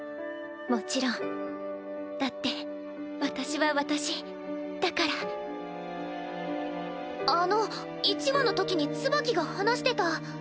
もちろんだって私は私だからあの１話のときにツバキが話してた。